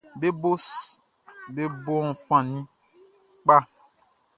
Flɛriʼm be bon fan ni kpa.